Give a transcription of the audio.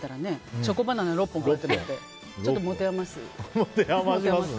チョコバナナ６本ってちょっと持て余す。